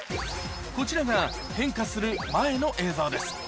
こちらが変化する前の映像です